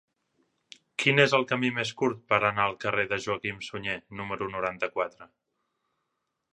Quin és el camí més curt per anar al carrer de Joaquim Sunyer número noranta-quatre?